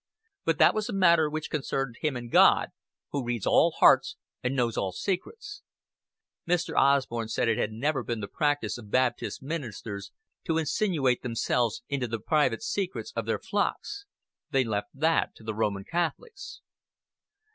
But that was a matter which concerned him and God, who reads all hearts and knows all secrets. Mr. Osborn said it had never been the practise of Baptist ministers to insinuate themselves into the private secrets of their flocks. They left that to the Roman Catholics.